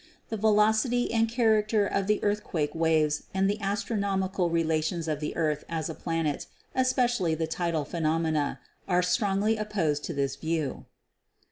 The velocity and charac ter of the earthquake waves and the astronomical relations of the earth as a planet, especially the tidal phenomena, are strongly opposed to this view.